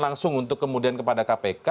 langsung untuk kemudian kepada kpk